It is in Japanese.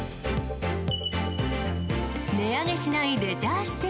値上げしないレジャー施設。